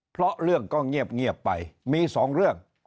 เพราะเรื่องก็เงียบไปมี๒เรื่อง